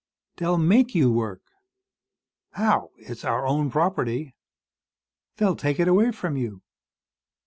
"They'll make you work." "How? It's our own property." "They'll take it away from you."